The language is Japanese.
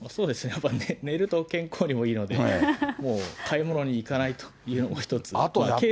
やっぱ寝ると健康にもいいので、もう買い物に行かないというのも一つ。